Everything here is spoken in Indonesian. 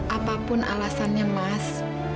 apapun alasannya mas